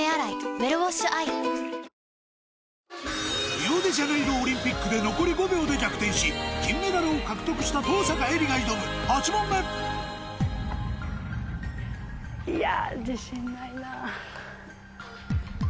リオデジャネイロオリンピックで残り５秒で逆転し金メダルを獲得した登坂絵莉が挑む８問目いや。